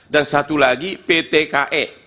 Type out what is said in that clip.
dan satu lagi ptke